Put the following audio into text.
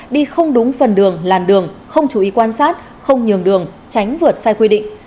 đi không đúng phần đường làn đường không chú ý quan sát không nhường đường tránh vượt sai quy định